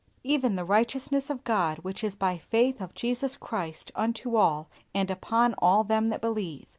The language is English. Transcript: "Even the righteousness of God which is by faith of Jesus Christ unto all and upon all them that believe."